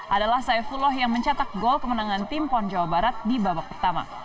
adalah saifullah yang mencetak gol kemenangan tim pon jawa barat di babak pertama